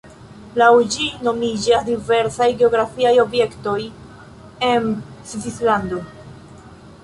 Laŭ ĝi nomiĝas diversaj geografiaj objektoj en Svislando.